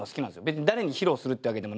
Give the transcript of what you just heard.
別に誰に披露するってわけでもなく。